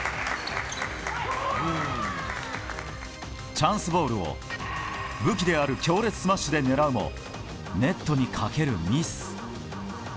チャンスボールを、武器である強烈スマッシュで狙うもネットにかけるミス。